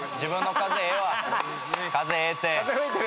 風ええって。